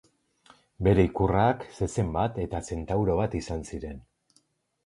Bere ikurrak zezen bat eta zentauro bat izan ziren.